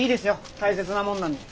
大切なものなんで。